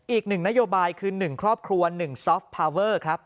อีกหนึ่งนโยบายคือ๑ครอบครัว๑ซอฟต์พาเวอร์